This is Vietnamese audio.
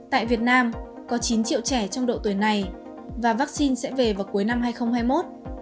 tại việt nam có chín triệu trẻ trong độ tuổi này và vaccine sẽ về vào cuối năm hai nghìn hai mươi một